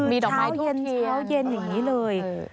มีดอกไม้ทุกทีคือเช้าเย็นอย่างนี้เลยคือมีดอกไม้ทุกที